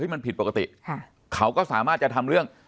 มันผิดปกติเขาก็สามารถจะทำเรื่อง